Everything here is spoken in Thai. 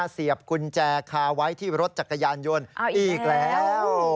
เสียบกุญแจคาไว้ที่รถจักรยานยนต์อีกแล้ว